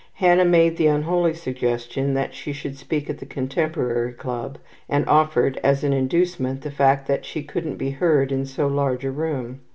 Hannah made the unholy suggestion that she should speak at the Contemporary Club, and offered as an inducement the fact that she couldn't be heard in so large a room.